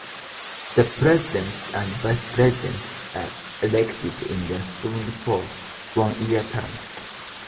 The President and Vice President are elected in the spring for one year terms.